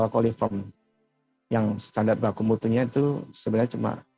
kalau koli form yang standar baku mutunya itu sebenarnya cuma tiga ribu juta juta juta